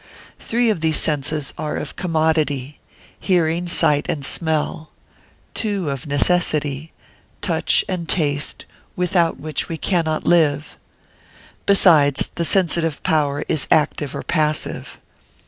Three of these senses are of commodity, hearing, sight, and smell; two of necessity, touch, and taste, without which we cannot live. Besides, the sensitive power is active or passive.